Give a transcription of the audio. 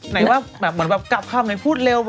ไหนว่าแบบกลับเข้ามาพูดเร็ว